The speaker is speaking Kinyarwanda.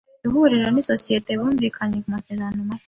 Ihuriro n’isosiyete bumvikanye ku masezerano mashya.